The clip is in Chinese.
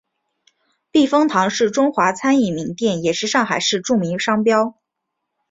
避风塘是中华餐饮名店也是上海市著名商标。